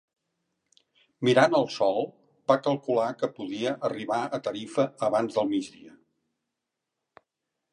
Mirant el sol, va calcular que podia arribar a Tarifa abans del migdia.